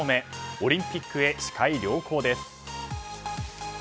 オリンピックへ視界良好です。